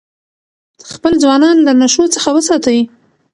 خپل ځوانان له نشو څخه وساتئ.